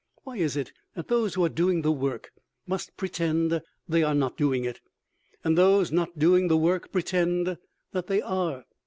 Why is it that those who are doing the work must pretend they are not doing it; and those not doing the work pretend that they are?